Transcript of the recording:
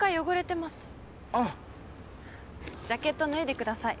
ジャケット脱いでください